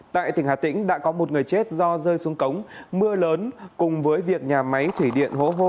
tại tỉnh hà tĩnh đã có một người chết do rơi xuống cống mưa lớn cùng với việc nhà máy thủy điện hố hô